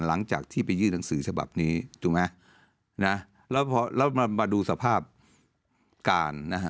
หลังจากที่ไปยื่นหนังสือฉบับนี้ถูกไหมนะแล้วพอแล้วมาดูสภาพการนะฮะ